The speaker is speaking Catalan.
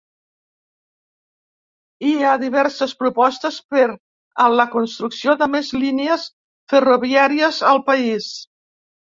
Hi ha diverses propostes per a la construcció de més línies ferroviàries al país.